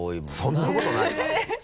そんなことないわ。